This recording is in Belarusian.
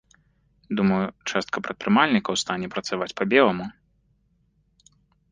Думаю, частка прадпрымальнікаў стане працаваць па-беламу.